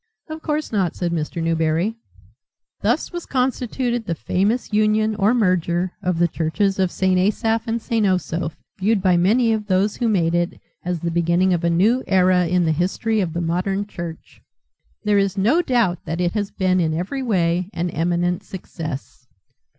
"Of course not," said Mr. Newberry. Thus was constituted the famous union or merger of the churches of St. Asaph and St. Osoph, viewed by many of those who made it as the beginning of a new era in the history of the modern church. There is no doubt that it has been in every way an eminent success.